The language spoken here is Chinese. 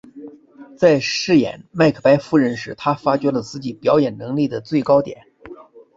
在饰演麦克白夫人时她发觉了自己表演能力的最高点。